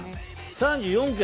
３４件。